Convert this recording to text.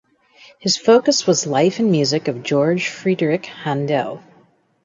His focus was life and music of George Frideric Handel.